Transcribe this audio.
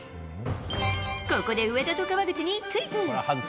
ここで上田と川口にクイズ。